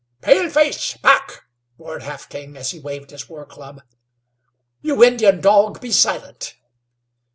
"Paleface! Back!" roared Half King, as he waved his war club. "You Indian dog! Be silent!"